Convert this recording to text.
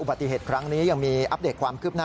ปฏิเหตุครั้งนี้ยังมีอัปเดตความคืบหน้า